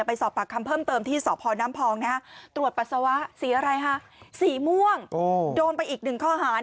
ไปสอบปากคำเพิ่มเติมที่สน้ำพอง